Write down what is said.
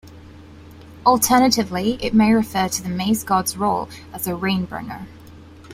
Alternatively, it may refer to the maize god's role as a rain bringer.